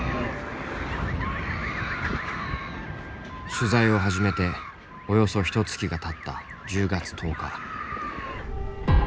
取材を始めておよそひとつきがたった１０月１０日。